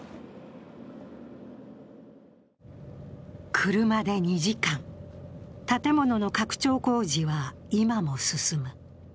車で２時間、建物の拡張工事は今も進む。